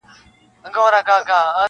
چي چاره د دې قاتل وکړي پخپله-